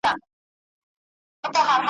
موږ دا نن لا خروښېدلو ,